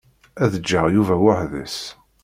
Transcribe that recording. Ad d-ǧǧeɣ Yuba weḥd-s.